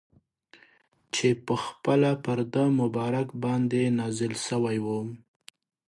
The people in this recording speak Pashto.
چي پخپله پر ده مبارک باندي نازل سوی وو.